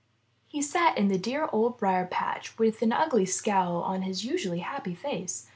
He sat in the dear Old Briar patch with an ugly scowl on his usually happy face.